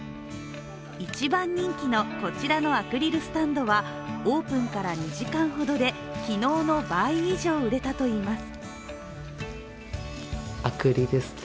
一番人気のこちらのアクリルスタンドはオープンから２時間ほどで昨日の倍以上売れたといいます。